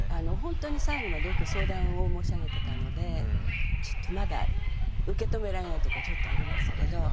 本当に最後までよく相談を申し上げてたのでちょっとまだ受け止められないとこちょっとありますけど。